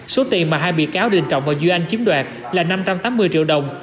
số tiền mà hai bị cáo đình trọng và duy anh chiếm đoạt là năm trăm tám mươi triệu đồng